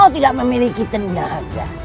kau tidak memiliki tenaga